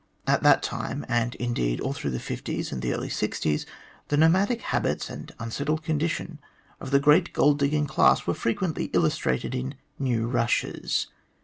At that time, and indeed all through the fifties and the early sixties, the nomadic habits and the unsettled condition of the great gold digging class were frequently illustrated in " new rushes."